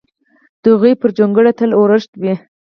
د هغوی پر جونګړه تل اورښت وي!